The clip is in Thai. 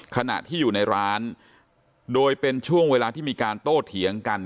ขณะที่อยู่ในร้านโดยเป็นช่วงเวลาที่มีการโต้เถียงกัน